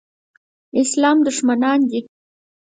اسلام دښمنان دي.